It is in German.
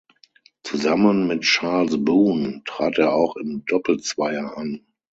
Zusammen mit Charles Boone trat er auch im Doppelzweier an.